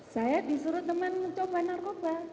saya disuruh teman mencoba narkoba